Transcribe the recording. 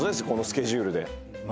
このスケジュールで。